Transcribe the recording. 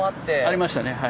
ありましたねはい。